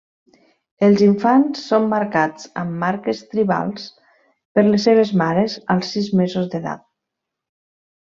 Els infants són marcats amb marques tribals per les seves mares als sis mesos d'edat.